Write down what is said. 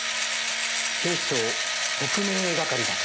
警視庁特命係だと。